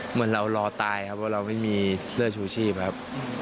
เหมือนเรารอตายครับเพราะเราไม่มีเสื้อชูชีพครับ